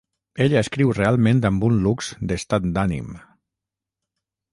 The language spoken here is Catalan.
Ella escriu realment amb un lux d'estat d'ànim.